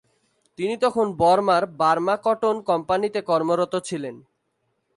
তিনি তখন বর্মার "Burma cotton কোম্পানিতে" কর্মরত ছিলেন।